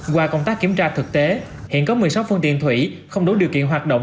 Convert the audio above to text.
qua công tác kiểm tra thực tế hiện có một mươi sáu phương tiện thủy không đủ điều kiện hoạt động